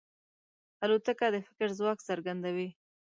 الوتکه د فکر ځواک څرګندوي.